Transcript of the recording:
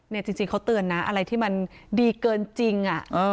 จริงเขาเตือนนะอะไรที่มันดีเกินจริง